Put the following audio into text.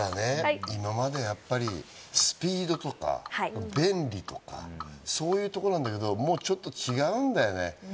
今までやっぱりスピードとか便利とか、そういうところなんだけど、もうちょっと違うんだよね。